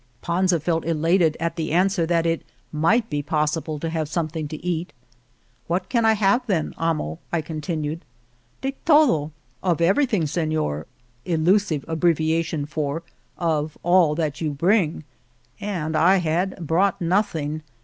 Panza felt elated at the answer that it might be possible to have something to eat. What can I have then, amo f " I contin ued. '' De todo (Of everything), Senor," elusive abbreviation for "of all that you bring," and I had brought nothing.